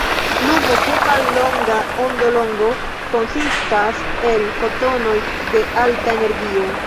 Lumo kun mallonga ondolongo konsistas el fotonoj de alta energio.